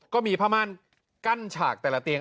ก็มีผ้าม่านกั้นฉากแต่ละเตียง